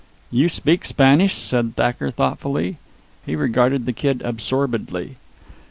"You speak Spanish?" said Thacker thoughtfully. He regarded the kid absorbedly.